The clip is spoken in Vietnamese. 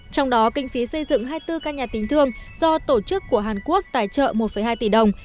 trong đó kinh phí xây dựng hai mươi bốn căn nhà tình thương do tổ chức của hàn quốc tài trợ một hai tỷ đồng